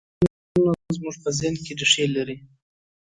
دا نظمونه زموږ په ذهن کې رېښې لري.